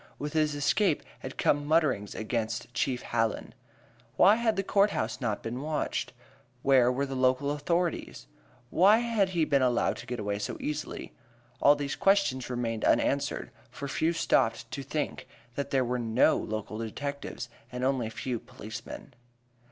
With his escape had come mutterings against Chief Hallen. Why had the court house not been watched? Where were the local authorities? Why had he been allowed to get away so easily? All these questions remained unanswered, for few stopped to think that there were no local detectives, and only a few local policemen.